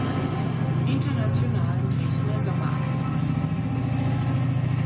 Internationalen Dresdner Sommerakademie.